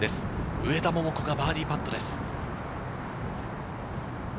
上田桃子がバーディーパットです。